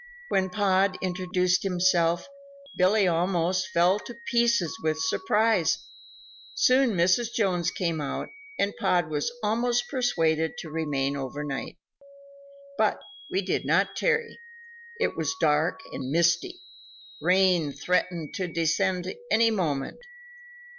When Pod introduced himself, Billy almost fell to pieces with surprise. Soon Mrs. Jones came out, and Pod was almost persuaded to remain over night. But we did not tarry. It was dark and misty; rain threatened to descend any moment.